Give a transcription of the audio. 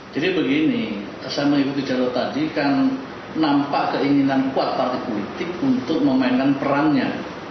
jadi begini saya mengikuti jadwal tadi kan nampak keinginan kuat partai politik untuk memainkan perannya